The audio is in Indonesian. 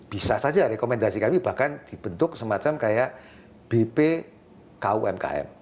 bisa saja rekomendasi kami bahkan dibentuk semacam kayak bpkumkm